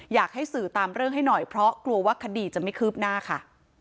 อยากให้สื่อตามเรื่องให้หน่อยเพราะกลัวว่าคดีจะไม่คืบหน้าค่ะ